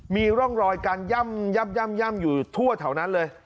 มีร่องรอยการย่ำย่ำย่ำย่ำอยู่ทั่วแถวนั้นเลย